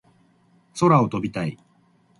空を飛びたい